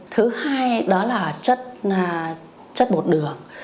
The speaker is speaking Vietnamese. thứ hai đó là chất bột đường